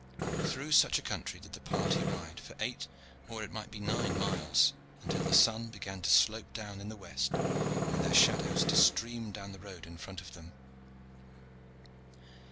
Through such country did the party ride for eight or it might be nine miles, until the sun began to slope down in the west and their shadows to stream down the road in front of them.